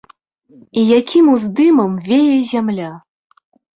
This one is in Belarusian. І якім уздымам вее зямля!